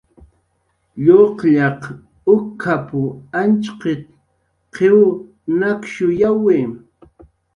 "Luqllaq uk""ap"" Antxqit"" qiw nakshuyawi"